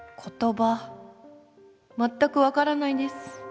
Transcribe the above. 全く分からないです。